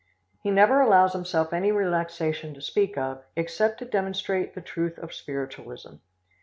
He never allows himself any relaxation to speak of, except to demonstrate the truth of spiritualism.